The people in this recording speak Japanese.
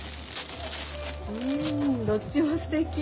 うんどっちもすてき。